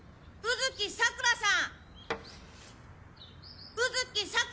卯月さくらさん！